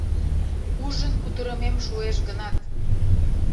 Ужын кутырымем шуэш гынат